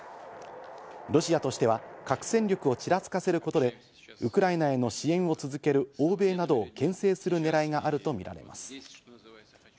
ロシアとしては核戦力をちらつかせることで、ウクライナへの支援を続ける欧米などをけん制するねらいがあるとみられます。